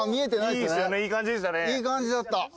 いい感じだった。